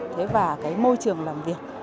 thế và cái môi trường làm việc